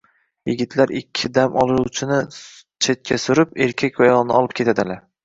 Yigitlar ikki dam oluvchini chetga surib, Erkak va ayolni olib ketadilar.